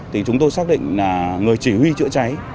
thì chúng tôi xác định là người chỉ huy chữa cháy